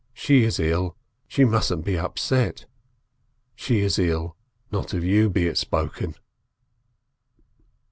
She is ill, she mustn't be upset. She is ill, not of you be it spoken